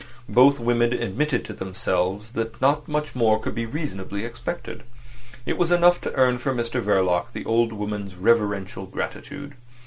Both women admitted to themselves that not much more could be reasonably expected. It was enough to earn for Mr Verloc the old woman's reverential gratitude.